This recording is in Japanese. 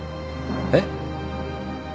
えっ？